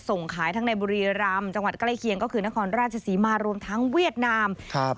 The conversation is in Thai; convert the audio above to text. ส่งขายทั้งในบุรีรำจังหวัดใกล้เคียงก็คือนครราชศรีมารวมทั้งเวียดนามครับ